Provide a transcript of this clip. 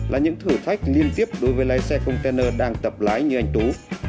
là những thử thách liên tiếp đối với lái xe container đang tập lái như anh tú